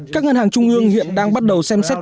các ngân hàng trung ương hiện đang bắt đầu xem xét